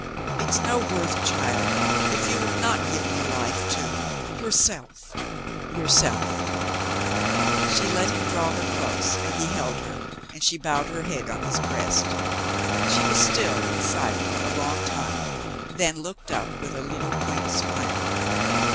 It's no worth, child, if you'll not give me life, too — yourself — yourself." She let him draw her close and he held her and she bowed her head on his breast. ... She was still and silent a long time, then looked up with a little, quaint smile.